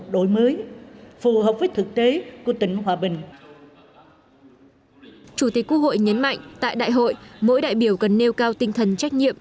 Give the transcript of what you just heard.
chủ tịch quốc hội nhấn mạnh tại đại hội mỗi đại biểu cần nêu cao tinh thần trách nhiệm